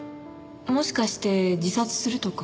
もしかして自殺するとか？